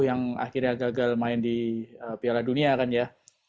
yang akhirnya gagal main di piala dunia kan ya